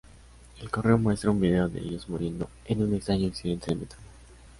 El correo muestra un video de ellos muriendo en un extraño accidente de metro.